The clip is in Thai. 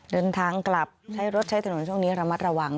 เดินทางกลับใช้รถใช้ถนนช่วงนี้ระมัดระวัง